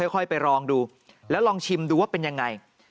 ค่อยไปลองดูแล้วลองชิมดูว่าเป็นยังไง